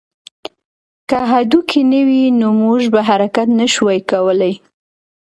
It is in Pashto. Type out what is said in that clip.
که هډوکي نه وی نو موږ به حرکت نه شوای کولی